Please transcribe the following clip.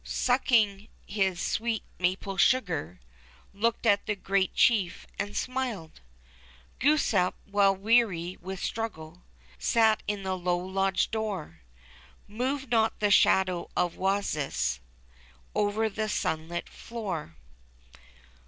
Sucking his sweet maple sugar. Looked at the great chief and smiled. Glooskap, well weary Avith struggle, ' Sat in the low lodge door ; Moved not the shadow of Wasis Over the sunlit floor.